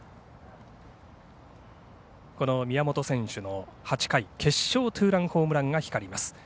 宮本選手の８回決勝ツーランホームランが光ります。